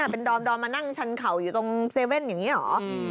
เป็นดอมมานั่งชันเข่าอยู่ตรงเซเว่นอย่างนี้เหรอ